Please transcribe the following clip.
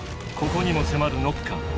ここにも迫るノッカー。